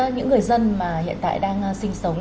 những người dân mà hiện tại đang sinh sống